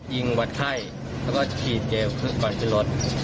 ยิงวัดไข้แล้วก็คีย์เกลล์คลุกก่อนขึ้นรถ